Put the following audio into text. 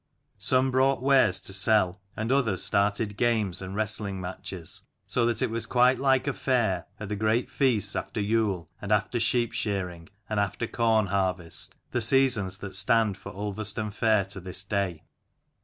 Some brought wares to sell, and others started games and wrestling matches: so that it was quite like a fair, at the great feasts after Yule and after sheep shearing, and after corn harvest, the seasons that stand for Ulverston fair to this day.